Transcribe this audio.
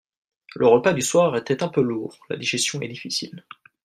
Le repas du soir était un peu lourd, la digestion est difficile